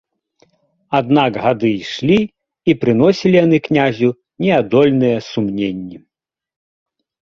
Аднак гады ішлі, і прыносілі яны князю неадольныя сумненні.